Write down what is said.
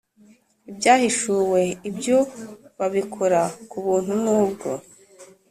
Ibyahishuwe Ibyo babikora ku buntu Nubwo